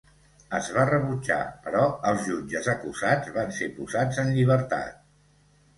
Es va rebutjar, però els jutges acusats van ser posats en llibertat.